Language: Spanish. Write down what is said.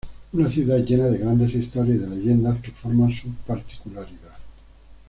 Una ciudad llena de grandes historias y de leyendas que forman su particularidad.